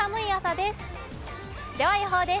では予報です。